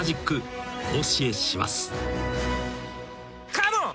カモン！